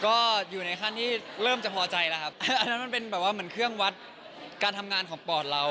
ก็อยู่ในขั้นที่เริ่มจะพอใจแล้วครับอันนั้นมันเป็นแบบว่าเหมือนเครื่องวัดการทำงานของปอดเรา